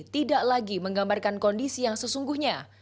tidak lagi menggambarkan kondisi yang sesungguhnya